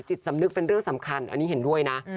จิตสำนึกเป็นเรื่องสำคัญอันนี้เห็นด้วยนะ